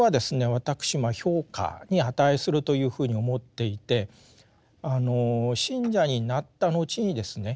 私評価に値するというふうに思っていて信者になった後にですね